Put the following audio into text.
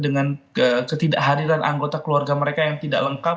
dengan ketidakhadiran anggota keluarga mereka yang tidak lengkap